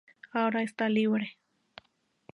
Ahora está libre.